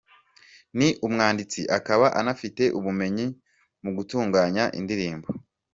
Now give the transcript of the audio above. Ni umwanditse akaba anafite ubumenyi mu gutunganya indirimbo.